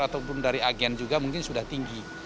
ataupun dari agen juga mungkin sudah tinggi